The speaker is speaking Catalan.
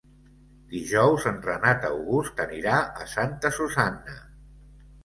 Dijous en Renat August anirà a Santa Susanna.